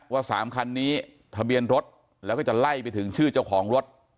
ว่า๓คันนี้ทะเบียนรถแล้วก็จะไล่ไปถึงชื่อเจ้าของรถ